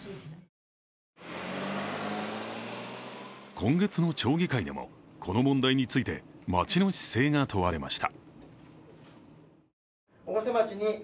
今月の町議会でもこの問題について町の姿勢が問われました。